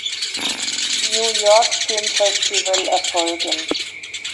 New York Film Festival erfolgen.